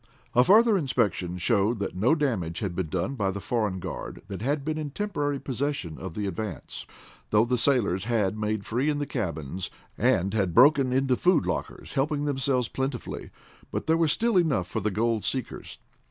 A further inspection showed that no damage had been done by the foreign guard that had been in temporary possession of the Advance, though the sailors had made free in the cabins, and had broken into the food lockers, helping themselves plentifully. But there was still enough for the gold seekers.